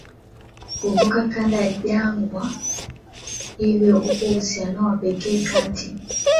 kuvuka kanda la jangwa Hivyo upo uhusiano wa pekee kati